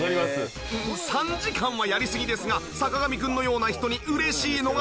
３時間はやりすぎですが坂上くんのような人に嬉しいのが。